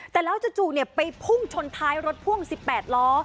แต่แล้วจู่ไปพุ่งชนท้ายรถพ่วง๑๘ล้อ